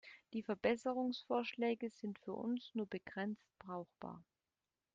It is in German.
Die Verbesserungsvorschläge sind für uns nur begrenzt brauchbar.